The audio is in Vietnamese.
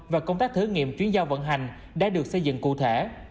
và công tác thử nghiệm chuyến giao vận hành đã được xây dựng cụ thể